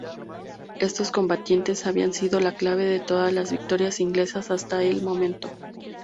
Estos combatientes habían sido la clave de todas las victorias inglesas hasta el momento.